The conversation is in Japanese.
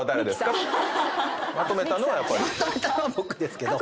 まとめたのは僕ですけど。